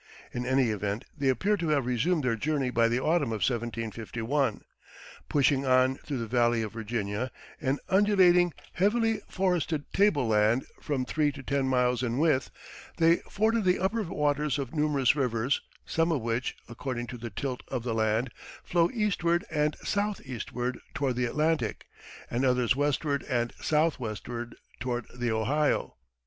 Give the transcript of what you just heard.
In any event, they appear to have resumed their journey by the autumn of 1751. Pushing on through the Valley of Virginia an undulating, heavily forested table land from three to ten miles in width they forded the upper waters of numerous rivers, some of which, according to the tilt of the land, flow eastward and southeastward toward the Atlantic, and others westward and southwestward toward the Ohio.